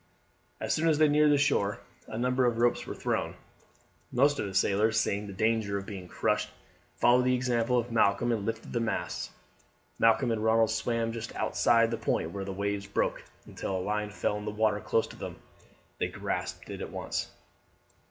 As soon as they neared the shore a number of ropes were thrown. Most of the sailors, seeing the danger of being crushed, followed the example of Malcolm, and left the masts. Malcolm and Ronald swam just outside the point where the waves broke until a line fell in the water close to them. They grasped it at once.